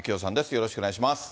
よろしくお願いします。